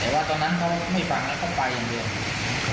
แต่ว่าตอนนั้นเขาไม่ฟังแล้วเขาไปอย่างเดียว